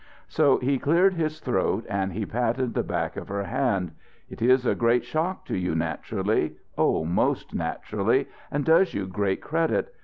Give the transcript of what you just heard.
So he cleared his throat, and he patted the back of her hand. "It is a great shock to you, naturally oh, most naturally, and does you great credit.